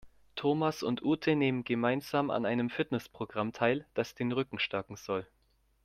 Thomas und Ute nehmen gemeinsam an einem Fitnessprogramm teil, das den Rücken stärken soll.